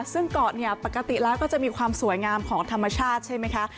ซึ่งเกาะเนี่ยปกติแล้วก็จะมีความสวยงามของธรรมชาติใช่ไหมคะ